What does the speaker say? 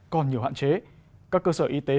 còn nhiều hạn chế các cơ sở y tế